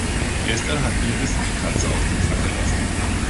Gestern hat Iris die Katze aus dem Sack gelassen.